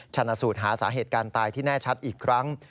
ชนะสูตรหาสาเหตุการณ์ตายที่แน่ชัดอีกครั้ง